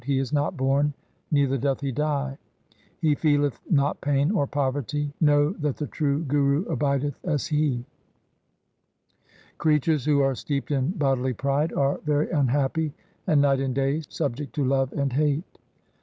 He is not born, neither doth he die. He feeleth not pain or poverty. Know that the true Guru abideth as He. Creatures who are steeped in bodily pride are very unhappy, and night and day subject to love and hate.